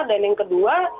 dan yang kedua